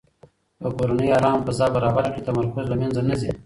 که کورنۍ ارامه فضا برابره کړي، تمرکز له منځه نه ځي.